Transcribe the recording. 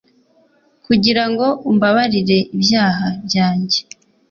kugirango umbabarire ibyaha byange